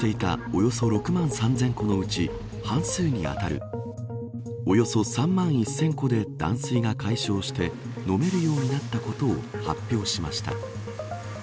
およそ６万３０００戸のうち半数に当たるおよそ３万１０００戸で断水が解消して飲めるようになったことを発表しました。